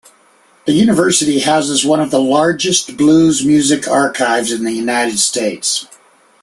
The university houses one of the largest blues music archives in the United States.